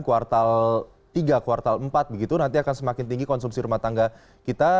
kuartal tiga kuartal empat begitu nanti akan semakin tinggi konsumsi rumah tangga kita